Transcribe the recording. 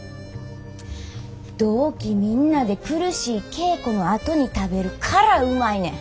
同期みんなで苦しい稽古のあとに食べるからうまいねん。